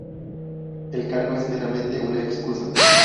El cargo es meramente una excusa...